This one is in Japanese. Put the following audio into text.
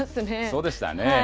そうでしたね。